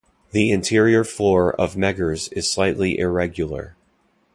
The interior floor of Meggers is slightly irregular.